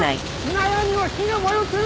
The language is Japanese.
納屋にも火が燃え移る！